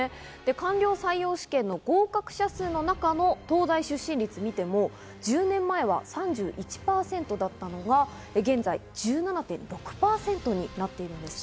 官僚採用試験の合格者数の中の東大出身率を見ても１０年前は３１％だったのが現在１７．６％になっているんです。